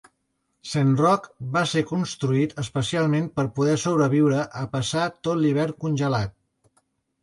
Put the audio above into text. "Saint Roch" va ser construït especialment per poder sobreviure a passar tot l'hivern congelat.